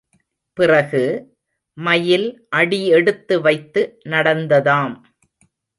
பிறகு, மயில் அடி எடுத்து வைத்து நடந்ததாம்.